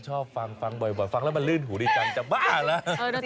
ชอบฟังฟังบ่อยฟังแล้วมันลื่นหูดีจังจะบ้าแล้ว